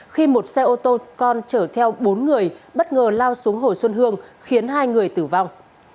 khi một xe ô tô con chở theo bốn người bất ngờ lao xuống hồ xuân hương khiến hai người tử vong